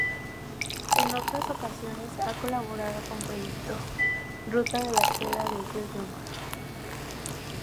En otras ocasiones ha colaborado con Proyecto ruta de la seda de Yo-Yo Ma.